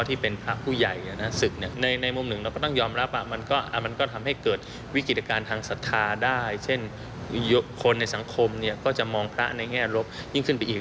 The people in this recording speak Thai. อีกมุมนึงก็ยอมรับว่ามันก็ทำให้เกิดวิกฤตการณ์ทางสาธาได้เช่นคนในสังคมเนี่ยก็จะมองพระในแง่รบยิ่งขึ้นไปอีก